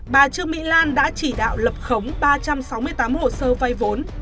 bà trương mỹ lan đã chỉ đạo lập khống ba trăm sáu mươi tám hồ sơ vay vốn